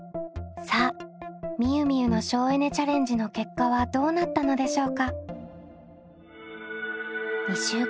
さあみゆみゆの省エネ・チャレンジの結果はどうなったのでしょうか？